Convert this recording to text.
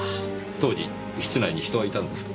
当時室内に人はいたのですか？